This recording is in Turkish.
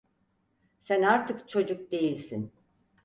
Sen artık çocuk değilsin.